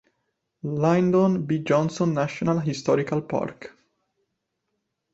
Lyndon B. Johnson National Historical Park